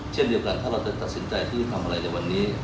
เช่นเดียวกันถ้าเราจะตัดสินใจที่จะทำอะไรในวันนี้